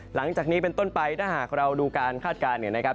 หลังจากนี้เป็นต้นไปถ้าหากเราดูการคาดการณ์เนี่ยนะครับ